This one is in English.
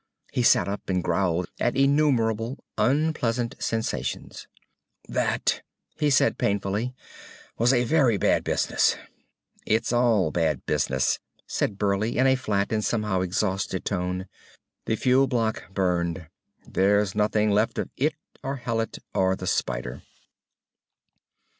He sat up, and growled at innumerable unpleasant sensations. "That," he said painfully, "was a very bad business." "It's all bad business," said Burleigh in a flat and somehow exhausted tone. "The fuel block burned. There's nothing left of it or Hallet or the spider."